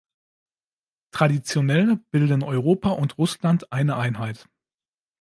Traditionell bilden Europa und Russland eine Einheit.